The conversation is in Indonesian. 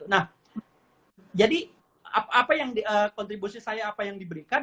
nah jadi kontribusi saya apa yang diberikan